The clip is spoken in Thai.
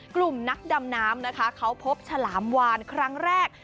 กลุ่มนักดำน้ำนะคะเขาพบฉลามวานครั้งแรก